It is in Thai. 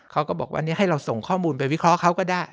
เขาก็บอกว่าให้เราส่งข้อมูลไปวิเคราะห์เขาก็ได้